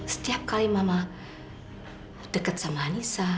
setiap kali mama dekat sama anissa